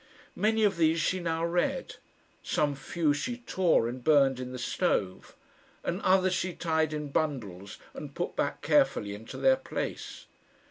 Many of these she now read; some few she tore and burned in the stove, and others she tied in bundles and put back carefully into their place.